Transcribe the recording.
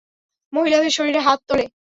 মহিলাদের শরীরে হাত তোলো?